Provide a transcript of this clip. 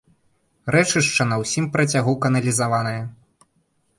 Рэчышча на ўсім працягу каналізаванае.